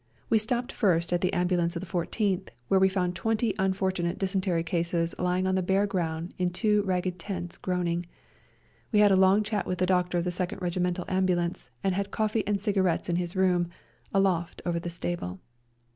We stopped first at the ambulance of the Fourteenth, where we found twenty 14 REJOINING THE SERBIANS unfortunate dysentery cases lying on the bare ground in two ragged tents groaning. We had a long chat with the doctor of the Second Regimental ambulance, and had coffee and cigarettes in his room — a loft over the stable.